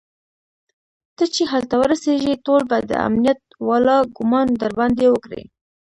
ته چې هلته ورسېږي ټول به د امنيت والا ګومان درباندې وکړي.